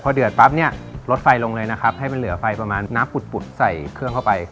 เดือดปั๊บเนี่ยลดไฟลงเลยนะครับให้มันเหลือไฟประมาณน้ำปุดใส่เครื่องเข้าไป